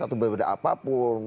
atau berbeda apapun